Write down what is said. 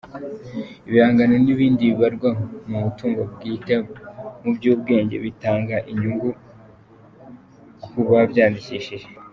Ibihangano n’ibindi bibarirwa mu mutungo bwite mu by’ubwenge bitanga inyungu ku babyandikishije.